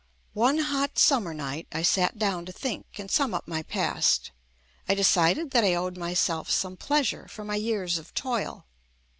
One hot summer night I sat down to think and sum up my past. I de cided that I owed myself some pleasure for my years of toil.